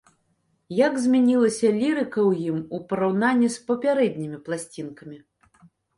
Як змянілася лірыка ў ім у параўнанні з папярэднімі пласцінкамі?